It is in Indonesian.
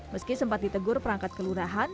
meski sempat ditegur perangkat kelurahan